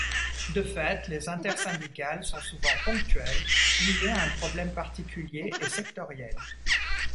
De fait, les intersyndicales sont souvent ponctuelles, liées à un problème particulier et sectoriel.